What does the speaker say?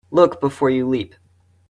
Look before you leap.